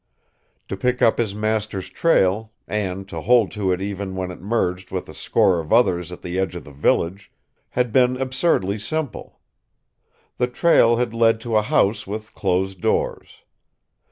To pick up his master's trail and to hold to it even when it merged with a score of others at the edge of the village had been absurdly simple. The trail had led to a house with closed doors.